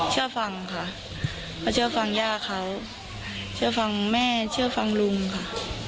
เชื่อฟังค่ะเขาเชื่อฟังย่าเขาเชื่อฟังแม่เชื่อฟังลุงค่ะ